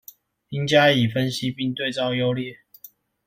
應加以分析並對照優劣